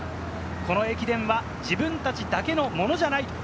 この駅伝は自分たちだけのものじゃない。